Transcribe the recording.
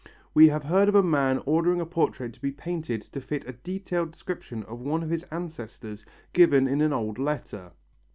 We have heard of a man ordering a portrait to be painted to fit a detailed description of one of his ancestors given in an old letter.